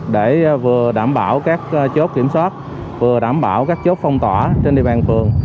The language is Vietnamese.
để vừa đảm bảo các chốt kiểm soát vừa đảm bảo các chốt phong tỏa trên địa bàn phường